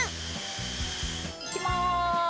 いきまーす。